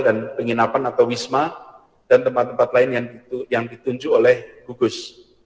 dan penginapan atau wisma dan tempat tempat lain yang ditunjuk oleh gugus